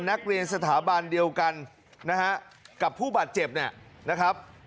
นักเรียนสถาบันเดียวกันนะฮะกับผู้บาดเจ็บเนี่ยนะครับ